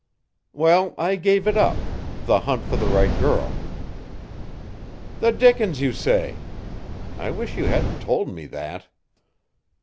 "Well, I gave it up the hunt for the right girl." "The dickens you say! I wish you hadn't told me that."